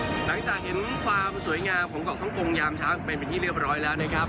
หลังจากเห็นความสวยงามของเกาะฮ่องกงยามช้างเป็นที่เรียบร้อยแล้วนะครับ